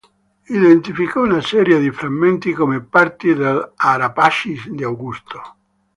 Identificò una serie di frammenti come parti dell"'Ara Pacis" di Augusto.